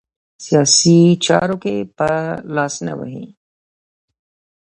سیاسي چارو کې به لاس نه وهي.